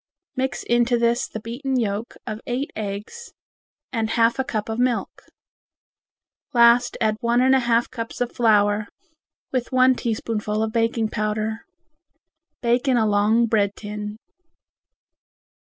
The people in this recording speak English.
Mix into this the beaten yolks of eight eggs and half a cup of milk. Last add one and a half cups of flour with one teaspoonful of baking powder. Bake in a long bread tin.